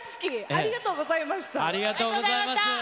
ありがとうございます。